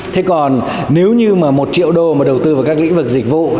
thế còn nếu như mà một triệu đô mà đầu tư vào các lĩnh vực dịch vụ